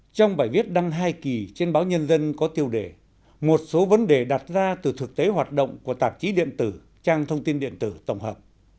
trong bài viết đăng hai kỳ trên báo nhân dân có tiêu đề một số vấn đề đặt ra từ thực tế hoạt động của tạp chí điện tử trang thông tin điện tử tổng hợp